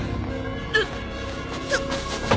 うっ。